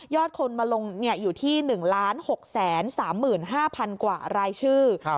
คนมาลงอยู่ที่๑๖๓๕๐๐๐กว่ารายชื่อ